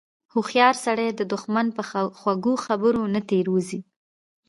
هوښیار سړی د دښمن په خوږو خبرو نه تیر وځي.